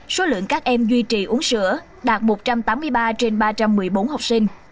số lượng các em duy trì uống sữa đạt một trăm tám mươi ba trên ba trăm một mươi bốn học sinh